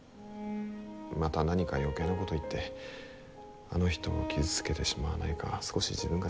また何か余計なこと言ってあの人を傷つけてしまわないか少し自分が心配です。